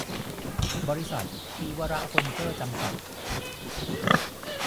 บริษัท ธีวรเฟอร์นิเจอร์ จำกัด